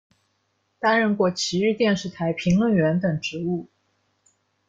担任过崎玉电视台评论员等职务。